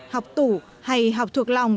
học tủ hay học thuộc lòng